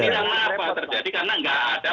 nah ini yang lupa terjadi karena nggak ada